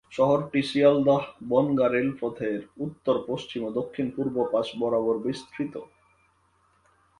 শহরটি শিয়ালদহ-বনগাঁ রেলপথের উত্তর-পশ্চিম ও দক্ষিণ-পূর্ব পাশ বরাবর বিস্তৃত।